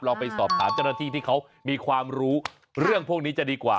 ไปสอบถามเจ้าหน้าที่ที่เขามีความรู้เรื่องพวกนี้จะดีกว่า